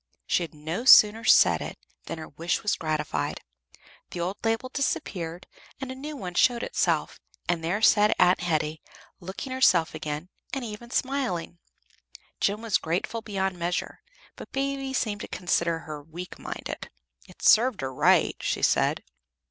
She had no sooner said it than her wish was gratified. The old label disappeared and a new one showed itself, and there sat Aunt Hetty, looking herself again, and even smiling. Jem was grateful beyond measure, but Baby seemed to consider her weak minded. "It served her right," she said.